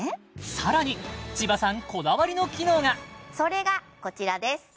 さらに千葉さんこだわりの機能がそれがこちらです